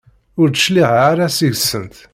Ur d-cliɛeɣ ara seg-sent.